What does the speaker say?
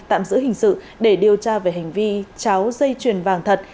tạm giữ hình sự để điều tra về hành vi cháo dây chuyền vàng thật